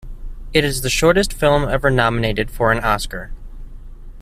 It is the shortest film ever nominated for an Oscar.